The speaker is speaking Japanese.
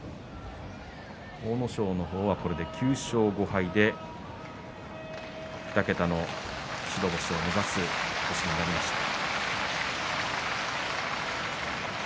阿武咲の方はこれで９勝５敗で２桁の白星を目指す星となりました。